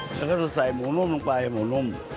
แล้วก็จะใส่หมูนุ่มลงไปหมูนุ่ม